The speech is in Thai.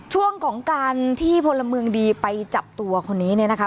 ช่วงของการที่พลเมืองดีไปจับตัวคนนี้เนี่ยนะคะ